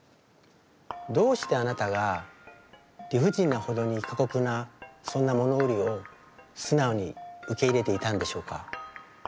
どうしてあなたが理不尽なほどに過酷なそんな物売りを素直に受け入れていたんでしょうか？